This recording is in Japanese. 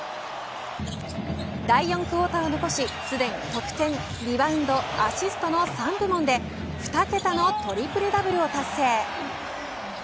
第４クオーターを残しすでに得点リバウンド、アシストの３部門で２桁のトリプルダブルを達成。